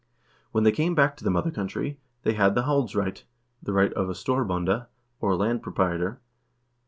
When they came back to the mother country, they had the haulds right (the right of a storbonde, or landed proprietor).